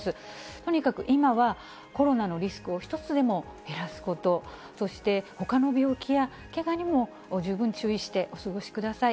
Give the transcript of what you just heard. とにかく今は、コロナのリスクを一つでも減らすこと、そしてほかの病気やけがにも十分注意してお過ごしください。